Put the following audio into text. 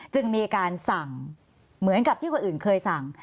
จึงมีการสั่งเหมือนกับที่คนอื่นเคยสั่ง